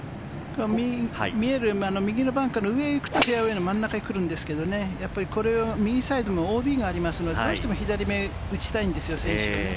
右に見えるバンカーの上へ行くと、フェアウエーは真ん中に行くんですけれど、右サイドのＯＢがありますので、どうしても左目に打ちたいんですよね。